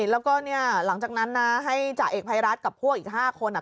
แล้วก็เนี่ยหลังจากนั้นนะให้จ่าเอกภัยรัฐกับพวกอีก๕คน